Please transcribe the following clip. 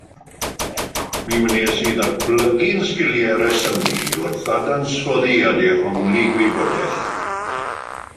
Mi wnes i ddatblygu fy sgiliau rhesymu wrth ddadansoddi a dehongli gwybodaeth